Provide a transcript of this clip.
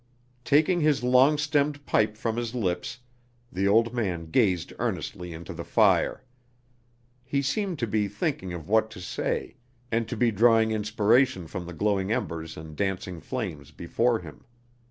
Taking his long stemmed pipe from his lips, the old man gazed earnestly into the fire. He seemed to be thinking of what to say, and to be drawing inspiration from the glowing embers and dancing flames before him.